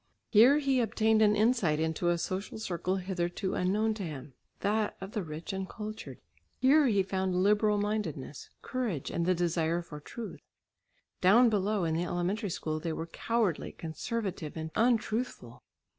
Here he obtained an insight into a social circle hitherto unknown to him, that of the rich and cultured. Here he found liberal mindedness, courage and the desire for truth. Down below in the elementary school they were cowardly, conservative and untruthful.